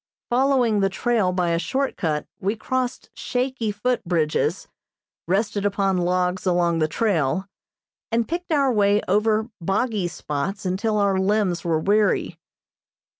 Following the trail by a short cut we crossed shaky foot bridges, rested upon logs along the trail, and picked our way over boggy spots until our limbs were weary.